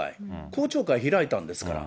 公聴会開いたんですから。